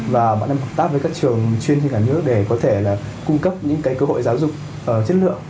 và bọn em hợp tác với các trường chuyên trên cả nước để có thể là cung cấp những cơ hội giáo dục chất lượng